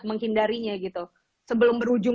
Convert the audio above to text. menghindarinya gitu sebelum berujung